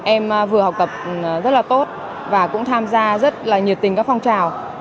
em vừa học tập rất là tốt và cũng tham gia rất là nhiệt tình các phong trào